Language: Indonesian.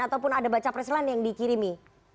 ataupun ada baca preslan yang dikirimi